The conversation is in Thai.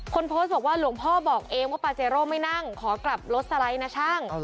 คนโพสต์บอกว่าหลวงพ่อบอกเองว่าปาเจโร่ไม่นั่งขอกลับรถสไลด์นะช่าง